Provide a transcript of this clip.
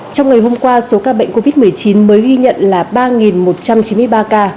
trong ngày hôm qua số ca bệnh covid một mươi chín mới ghi nhận là ba một trăm chín mươi ba ca